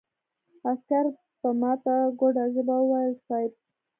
عسکر په ماته ګوډه ژبه وويل: صېب!